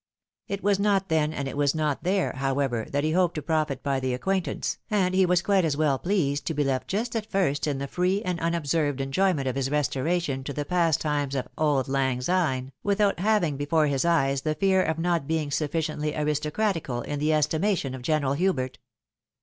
It was not then, and it was not there, however, that he hoped to profit by the acquaintance, and he was quite as well pleased to be left just at fijst in the free and unobserved enjoy ment of his restoration to the pastimes of " auld lang syne," without having before his eyes the fear of not being suffici ently aristocratical in the estimation of General Hubert.